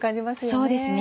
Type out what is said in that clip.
そうですね